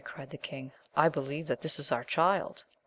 cried the king, I be lieve that this is our child